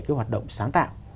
cái hoạt động sáng tạo